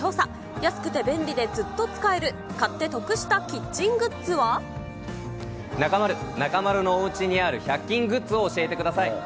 安くて便利でずっと使える買って中丸、中丸のおうちにある１００均グッズを教えてください。